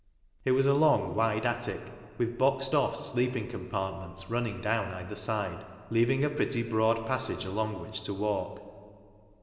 It was a long, wide attic, with boxed off sleeping compart ments running down either side, leaving a pretty broad passage along which to walk.